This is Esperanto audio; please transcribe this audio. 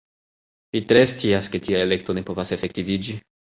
Vi tre scias, ke tia elekto ne povas efektiviĝi.